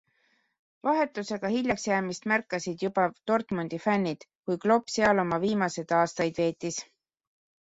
Vahetusega hiljaks jäämist märkasid juba Dortmundi fännid, kui Klopp seal oma viimased aastaid veetis.